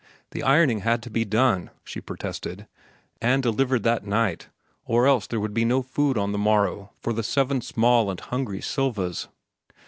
The ironing had to be done, she protested, and delivered that night, or else there would be no food on the morrow for the seven small and hungry Silvas.